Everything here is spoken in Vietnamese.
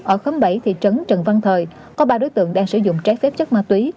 ở khóm bảy thị trấn trần văn thời có ba đối tượng đang sử dụng trái phép chất ma túy